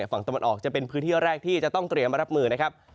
ฝั่งตะวันออกจะเป็นพื้นที่แรกที่จะต้องเตรียมรับมือนะครับ